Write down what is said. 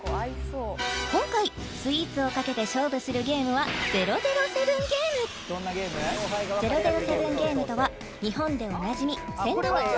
今回スイーツをかけて勝負するゲームは００７ゲームとは日本でおなじみせんだみつお